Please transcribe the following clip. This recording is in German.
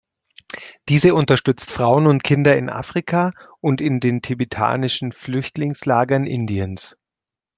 Diese unterstützt Frauen und Kinder in Afrika und in den tibetanischen Flüchtlingslagern Indiens.